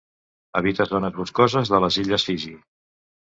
Habita zones boscoses de les illes Fiji.